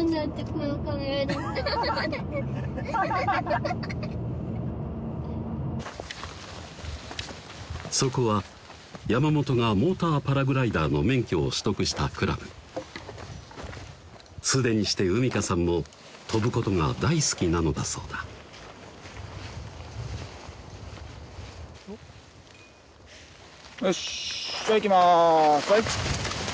このカメラじゃそこは山本がモーターパラグライダーの免許を取得したクラブ既にして羽美香さんも飛ぶことが大好きなのだそうだよしじゃあいきます